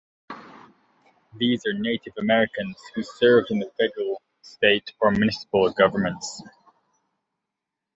These are Native Americans who served in the federal, state, or municipal governments.